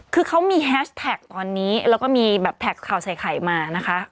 คือเขามีแฮชแท็กตอนนี้แล้วก็มีแบบแท็กข่าวใส่ไข่มานะคะ